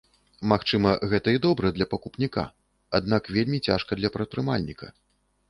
Магчыма, гэта і добра для пакупніка, аднак вельмі цяжка для прадпрымальніка.